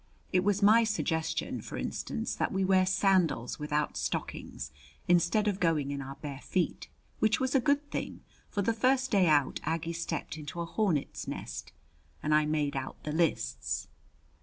It was my suggestion, for instance, that we wear sandals without stockings, instead of going in our bare feet, which was a good thing, for the first day out Aggie stepped into a hornet's nest. And I made out the lists.